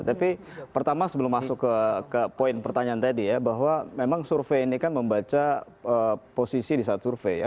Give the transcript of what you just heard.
tapi pertama sebelum masuk ke poin pertanyaan tadi ya bahwa memang survei ini kan membaca posisi di saat survei ya